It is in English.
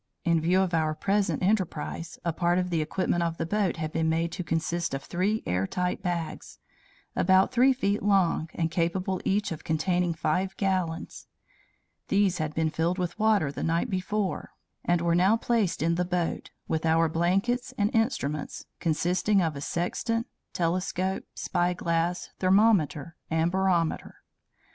In view of our present enterprise, a part of the equipment of the boat had been made to consist of three airtight bags, about three feet long, and capable each of containing five gallons. These had been filled with water the night before, and were now placed in the boat, with our blankets and instruments, consisting of a sextant, telescope, spyglass, thermometer, and barometer.